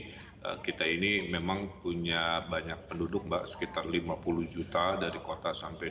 jadi kita ini memang punya banyak penduduk mbak sekitar lima puluh juta dari kota sampai jauh